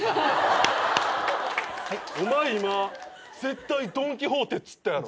はい？お前今絶対ドン・キホーテっつったやろ？